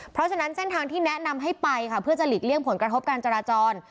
เพราะฉะนั้นเส้นทางที่แนะนำให้ไปค่ะเพื่อจะหลีกเลี่ยงผลกระทบการจราจร